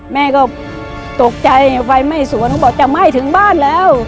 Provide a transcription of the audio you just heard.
แม่ก็ตกใจไฟไหม้สวนเขาบอกจะไหม้ถึงบ้านแล้ว